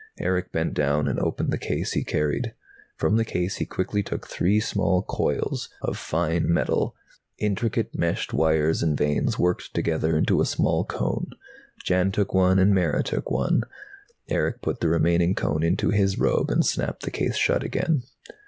Erick bent down and opened the case he carried. From the case he quickly took three small coils of fine metal, intricate meshed wires and vanes worked together into a small cone. Jan took one and Mara took one. Erick put the remaining cone into his robe and snapped the case shut again.